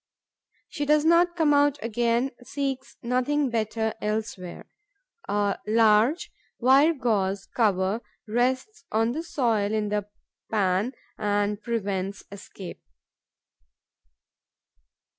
She does not come out again, seeks nothing better elsewhere. A large wire gauze cover rests on the soil in the pan and prevents escape.